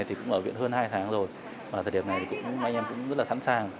tình hình đang dịch bệnh